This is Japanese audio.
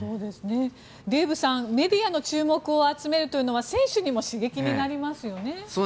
デーブさんメディアの注目を集めるというのは選手にも刺激になりますよね。